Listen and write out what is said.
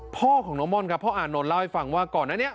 พ่อของน้องม่อนครับพ่ออานนท์เล่าให้ฟังว่าก่อนอันนี้